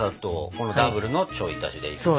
このダブルのちょい足しで。